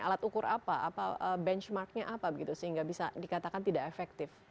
alat ukur apa apa benchmarknya apa gitu sehingga bisa dikatakan tidak efektif